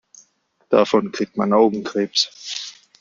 Davon kriegt man Augenkrebs.